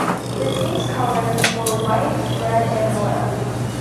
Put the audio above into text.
The team's colors were white, red and blue.